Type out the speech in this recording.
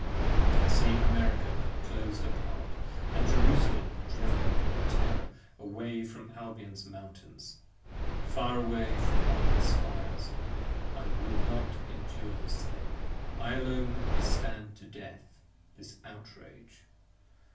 I see America clos'd apart, & Jerusalem driven in terror 70 Away from Albion's mountains, far away from London's spires: I will not endure this thing: I alone withstand to death, This outrage!